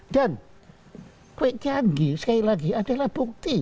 dan kwek tiangi sekali lagi adalah bukti